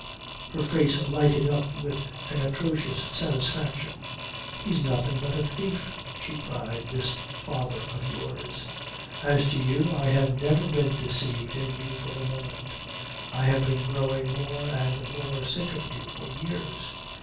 Her face lighted up with an atrocious satisfaction. "He's nothing but a thief," she cried, "this father of yours. As to you I have never been deceived in you for a moment. I have been growing more and more sick of you for years.